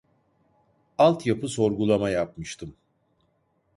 Alt yapı sorgulama yapmıştım